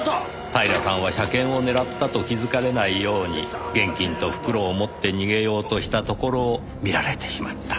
平さんは車券を狙ったと気づかれないように現金と袋を持って逃げようとしたところを見られてしまった。